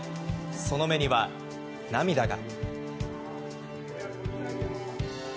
その目には、涙が。